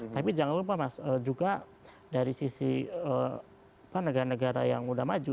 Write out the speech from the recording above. tapi jangan lupa mas juga dari sisi negara negara yang sudah maju